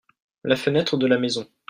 La fenêtre de la maison.